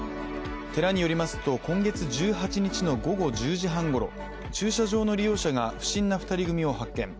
寺によりますと、今月１８日の午後１０時半ごろ駐車場の利用者が不審な２人組を発見。